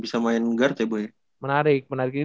bisa main guard ya boy menarik